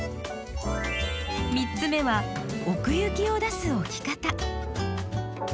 ３つ目は奥行きを出す置き方。